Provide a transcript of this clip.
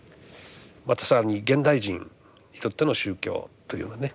また更に現代人にとっての宗教というようなね